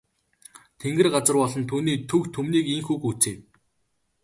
Тэнгэр газар болон түүний түг түмнийг ийнхүү гүйцээв.